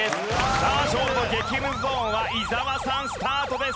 さあ勝負の激ムズゾーンは伊沢さんスタートです。